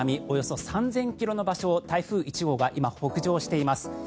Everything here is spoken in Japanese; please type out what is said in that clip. およそ３０００ｋｍの場所を台風１号が今、北上しています。